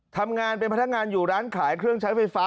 ทำงานเป็นพนักงานอยู่ร้านขายเครื่องใช้ไฟฟ้า